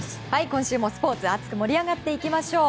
今週もスポーツ熱く盛り上がっていきましょう。